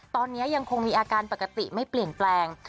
ตอนนี้ยังคงมีอาการปกติไม่เปลี่ยนแปลง